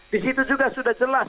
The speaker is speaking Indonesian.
disitu juga sudah jelas